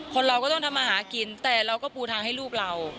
เราก็ต้องทำอาหารกินแต่เราก็ปูทางให้ลูกเรา